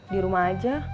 di rumah aja